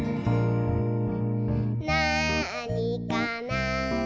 「なあにかな？」